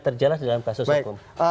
terjelas dalam kasus hukum